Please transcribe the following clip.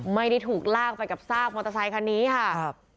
ไม่ได้ถูกลากไปกับซากมอเตอร์ไซคันนี้ค่ะครับ